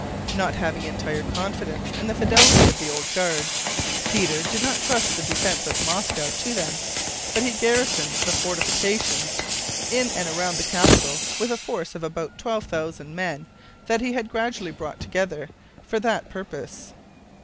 Not having entire confidence in the fidelity of the old Guards, Peter did not trust the defense of Moscow to them, but he garrisoned the fortifications in and around the capital with a force of about twelve thousand men that he had gradually brought together for that purpose.